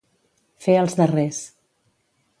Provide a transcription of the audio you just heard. Fer els darrers.